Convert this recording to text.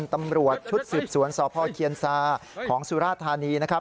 ตำรวจชุดสืบสวนสพเคียนซาของสุราธานีนะครับ